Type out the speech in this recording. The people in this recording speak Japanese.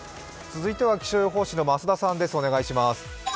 続いては気象予報士の増田さんです。